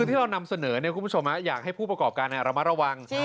ที่เรานำเสนอคุณผู้ชมอยากให้ผู้ประกอบการระมัดระวัง